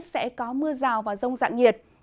sẽ có mưa rào và rông dạng nhiệt